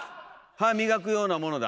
歯磨くようなものだ。